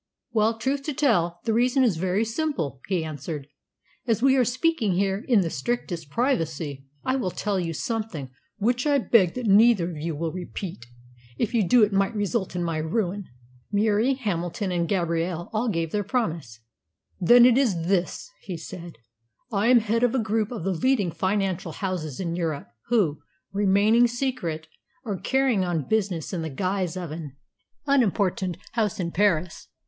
"Well, truth to tell, the reason is very simple," he answered. "As we are speaking here in the strictest privacy, I will tell you something which I beg that neither of you will repeat. If you do it might result in my ruin." Murie, Hamilton, and Gabrielle all gave their promise. "Then it is this," he said. "I am head of a group of the leading financial houses in Europe, who, remaining secret, are carrying on business in the guise of an unimportant house in Paris.